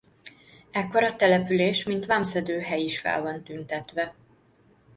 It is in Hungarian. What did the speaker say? Ekkor a település mint vámszedő hely is fel van tüntetve.